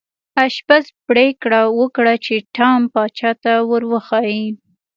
آشپز پریکړه وکړه چې ټام پاچا ته ور وښيي.